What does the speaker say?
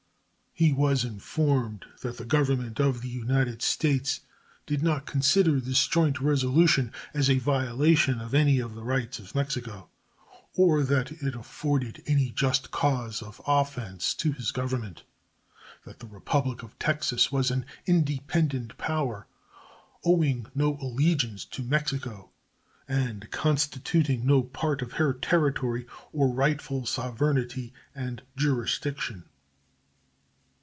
He was informed that the Government of the United States did not consider this joint resolution as a violation of any of the rights of Mexico, or that it afforded any just cause of offense to his Government; that the Republic of Texas was an independent power, owing no allegiance to Mexico and constituting no part of her territory or rightful sovereignty and jurisdiction.